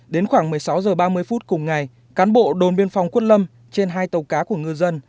đến khoảng một mươi sáu h ba mươi phút cùng ngày cán bộ đồn biên phòng quất lâm trên hai tàu cá của ngư dân